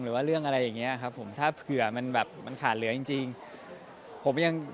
หรือว่าเรื่องอะไรอย่างนี้ครับผมถ้าเผื่อมันแบบมันขาดเหลือจริง